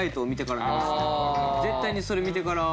絶対にそれ見てから。